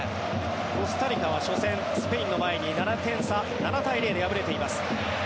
コスタリカは初戦スペインの前に７点差７対０で敗れています。